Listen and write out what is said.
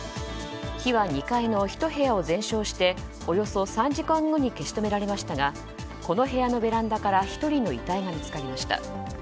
火は２階のひと部屋を全焼しておよそ３時間後に消し止められましたがこの部屋のベランダから１人の遺体が見つかりました。